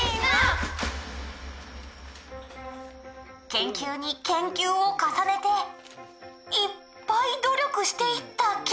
「研究に研究を重ねていっぱい努力していった結果」